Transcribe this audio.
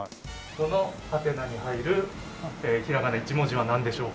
この「？」に入るひらがな１文字はなんでしょう？